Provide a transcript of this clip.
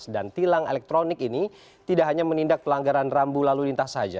dan tilang elektronik ini tidak hanya menindak pelanggaran rambu lalu lintas saja